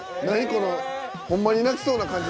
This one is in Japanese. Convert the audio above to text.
このホンマに泣きそうな感じ。